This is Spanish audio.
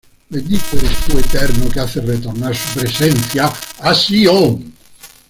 Bendito eres Tú, Eterno, que hace retornar Su Presencia a Sion.